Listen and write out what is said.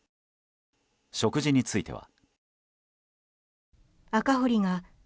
食事については。